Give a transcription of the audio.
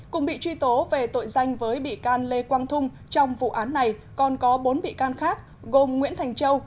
cùng bị truy tố về tội danh với bị can lê quang thung trong vụ án này còn có bốn bị can khác gồm nguyễn thành châu